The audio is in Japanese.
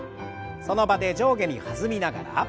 その場で上下に弾みながら。